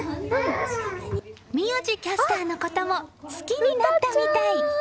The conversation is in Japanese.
宮司キャスターのことも好きになったみたい。